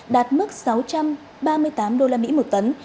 đạt mức sáu triệu đồng